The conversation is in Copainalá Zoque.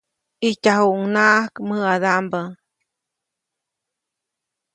ʼIjtyajuʼuŋnaʼak mäʼadaʼmbä.